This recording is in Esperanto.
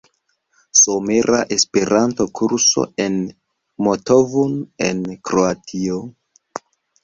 Somera Esperanto-Kurso en Motovun en Kroatio.